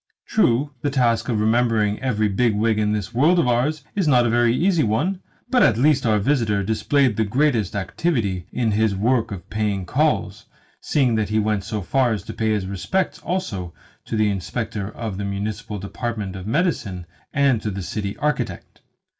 True, the task of remembering every big wig in this world of ours is not a very easy one; but at least our visitor displayed the greatest activity in his work of paying calls, seeing that he went so far as to pay his respects also to the Inspector of the Municipal Department of Medicine and to the City Architect.